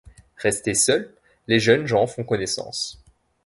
Restés seuls, les jeunes gens font connaissance.